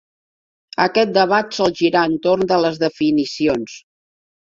Aquest debat sol girar entorn de les definicions.